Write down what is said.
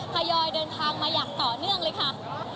ทยอยเดินทางมาอย่างต่อเนื่องเลยค่ะ